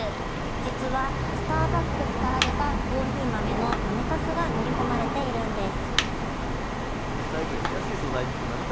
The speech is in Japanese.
実はスターバックスから出たコーヒー豆の豆かすが練り込まれているんです。